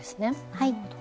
はい。